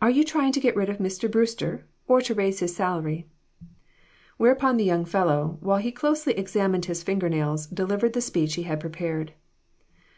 Are you trying to get rid of Mr. Brewster, or to raise his salary ?" Whereupon the young fellow, while he closely examined his finger nails, delivered the speech he had prepared.